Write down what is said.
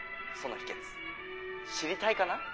その秘けつ知りたいかな？」。